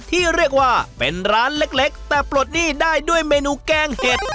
ที่เรียกว่าเป็นร้านเล็กแต่ปลดหนี้ได้ด้วยเมนูแกงเห็ด